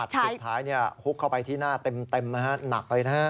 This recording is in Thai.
หมัดสุดท้ายเนี่ยฮุกเข้าไปที่หน้าเต็มนะฮะหนักเลยนะฮะ